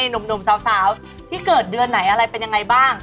หนุ่มสาวที่เกิดเดือนไหนอะไรเป็นยังไงบ้าง